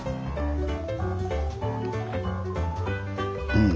うん。